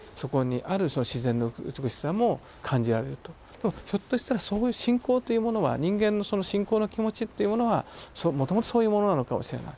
でもひょっとしたらそういう信仰というものは人間のその信仰の気持ちというものはもともとそういうものなのかもしれない。